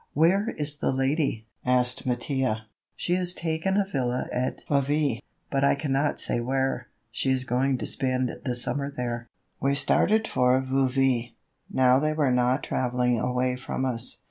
"Where is the lady?" asked Mattia. "She has taken a villa at Vevy, but I cannot say where; she is going to spend the summer there." We started for Vevy. Now they were not traveling away from us.